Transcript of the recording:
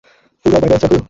ওরা বাইরে আছে এখনও?